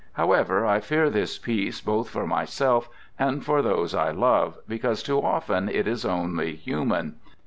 However, I fear this peace both for myself and for those I love, because too often it is only human.